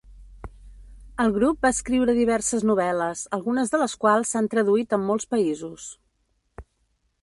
El grup va escriure diverses novel·les, algunes de les quals s'han traduït en molts països.